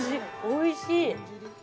おいしい